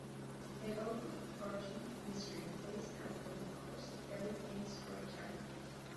An overarching mystery plays out over the course of every main story chapter.